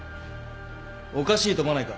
おかしいと思わないか？